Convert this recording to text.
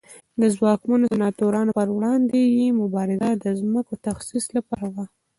د ځواکمنو سناتورانو پر وړاندې یې مبارزه د ځمکو تخصیص لپاره وه